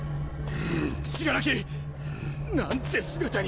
死柄木！なんて姿に！